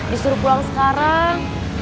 disuruh pulang sekarang